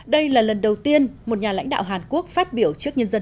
đây là lần đầu tiên một nhà lãnh đạo hàn quốc phát biểu trước nhân dân